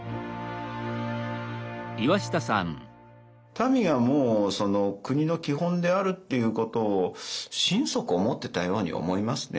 民がもうその国の基本であるっていうことを心底思ってたように思いますね